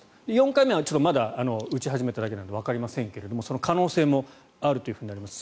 ４回目はまだ打ち始めたばかりなのでわかりませんがその可能性もあるというふうになります。